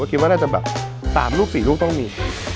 คิดว่าน่าจะแบบ๓ลูก๔ลูกต้องมี